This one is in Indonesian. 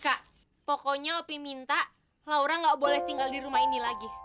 kak pokoknya opi minta laura nggak boleh tinggal di rumah ini lagi